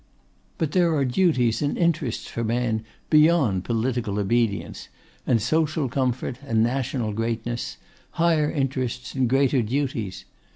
But there are duties and interests for man beyond political obedience, and social comfort, and national greatness, higher interests and greater duties.